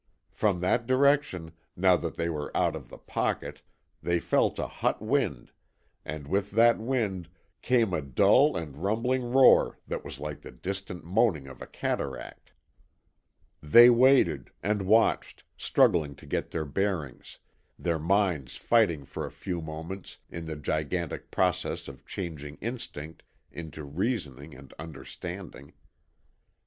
From that direction, now that they were out of the "pocket," they felt a hot wind, and with that wind came a dull and rumbling roar that was like the distant moaning of a cataract. They waited, and watched, struggling to get their bearings, their minds fighting for a few moments in the gigantic process of changing instinct into reasoning and understanding.